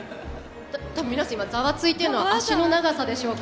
多分皆さん今ざわついてるのは脚の長さでしょうか。